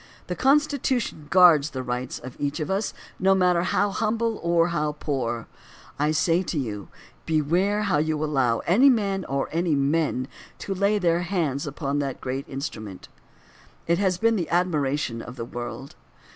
The Constitution guards the rights of each one of us, no matter how hmnble or how poor. I say to you beware how you allow any man or any men to lay their hands upon that great instrument. It has been the admiration of the world.